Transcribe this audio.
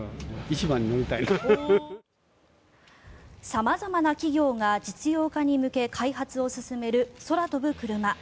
様々な企業が実用化に向け開発を進める空飛ぶクルマ。